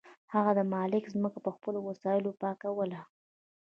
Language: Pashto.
هغه به د مالک ځمکه په خپلو وسایلو پاکوله.